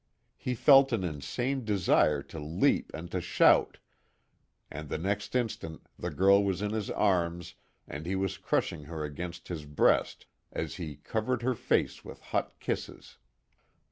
He felt an insane desire to leap and to shout and the next instant the girl was in his arms and he was crushing her against his breast as he covered her face with hot kisses.